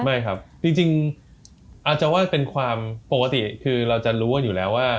ไม่ครับจริงอาจจะว่าเป็นความปกติคือเราจะรู้กันอยู่แล้วว่า